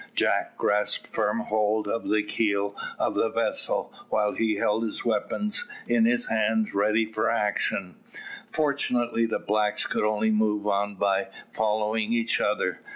Jack grasped firm hold of the keel of the vessel while he held his weapons in his hands ready for action. Fortunately the blacks could only move on by following each other.